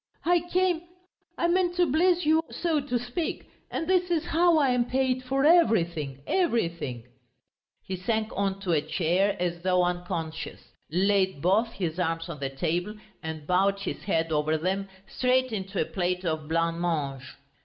I came... I meant to bless you, so to speak. And this is how I am paid, for everything, everything!..." He sank on to a chair as though unconscious, laid both his arms on the table, and bowed his head over them, straight into a plate of blancmange.